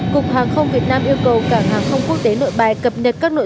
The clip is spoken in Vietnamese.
cục hàng không việt nam yêu cầu cảng hàng không quốc tế nội bài cập nhật các nội